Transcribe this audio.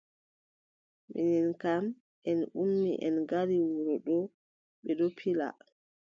Minin kam en ummi en ngara wuro ɗo. bee ɗon pila.